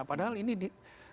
padahal ini di